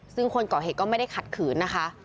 ซึ่งคนก่อเหตุก็ไม่ได้ขัดขืนนะคะ